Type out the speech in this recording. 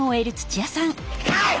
はい！